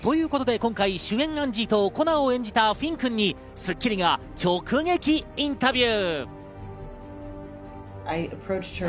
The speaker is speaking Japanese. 今回主演アンジーとコナーを演じたフィン君に『スッキリ』が直撃インタビュー。